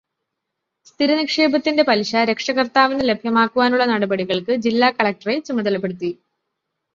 സ്ഥിരനിക്ഷേപത്തിന്റെ പലിശ രക്ഷകര്ത്താവിന് ലഭ്യമാക്കുവാനുള്ള നടപടികള്ക്ക് ജില്ലാ കളക്ടറെ ചുമതലപ്പെടുത്തി.